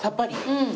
うん。